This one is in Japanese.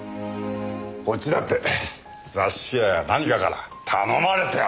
こっちだって雑誌社や何かから頼まれてやってるんだ。